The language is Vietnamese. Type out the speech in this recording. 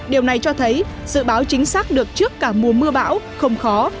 điều này cho thấy dự báo chính xác được trước cả mùa mưa bão không khó